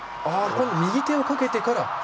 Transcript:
右手をかけてから。